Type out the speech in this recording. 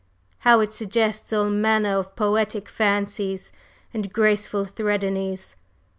How it suggests all manner of poetic fancies and graceful threnodies!